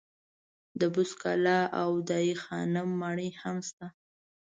د بست کلا او دای خانم ماڼۍ هم شته.